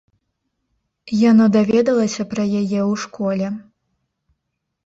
Яно даведалася пра яе ў школе.